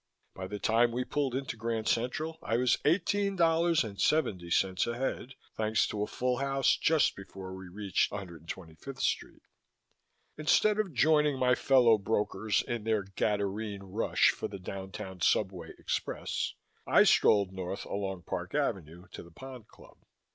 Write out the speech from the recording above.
By the time we pulled into Grand Central I was eighteen dollars and seventy cents ahead, thanks to a full house just before we reached 125th Street. Instead of joining my fellow brokers in their Gadarene rush for the downtown subway express, I strolled north along Park Avenue to the Pond Club.